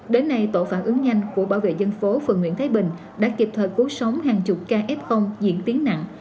đến nay tổ phản ứng nhanh của bảo vệ dân phố phường nguyễn thái bình đã kịp thời cứu sống hàng chục ca f diễn tiến nặng